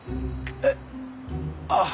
えっ？あっ。